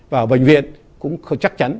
và bệnh viện cũng chắc chắn